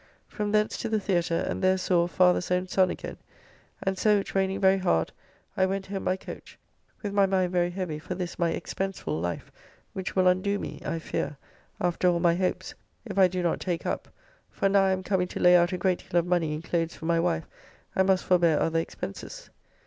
From thence to the Theatre, and there saw "Father's own Son" again, and so it raining very hard I went home by coach, with my mind very heavy for this my expensefull life, which will undo me, I fear, after all my hopes, if I do not take up, for now I am coming to lay out a great deal of money in clothes for my wife, I must forbear other expenses.